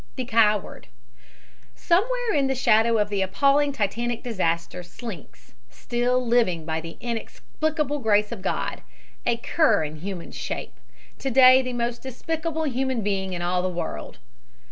THE COWARD Somewhere in the shadow of the appalling Titanic disaster slinks still living by the inexplicable grace of God a cur in human shape, to day the most despicable human being in all the world.